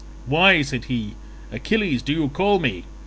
"Why," said he, "Achilles, do you call me?